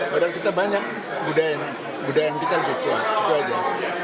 padahal kita banyak budaya yang kita jepang itu aja